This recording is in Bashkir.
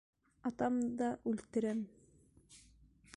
Атам дә үлтерәм!